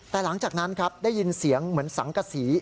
แต่หลังจากนั้นครับได้ยินเสียงเหมือนสังกษี